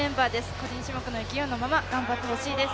個人種目の勢いのまま頑張ってほしいです。